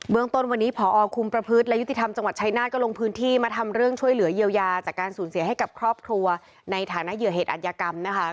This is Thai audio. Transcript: เมืองต้นวันนี้พอคุมประพฤติและยุติธรรมจังหวัดชายนาฏก็ลงพื้นที่มาทำเรื่องช่วยเหลือเยียวยาจากการสูญเสียให้กับครอบครัวในฐานะเหยื่อเหตุอัธยกรรมนะคะ